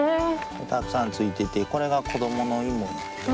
たくさんついててこれが子どものイモ。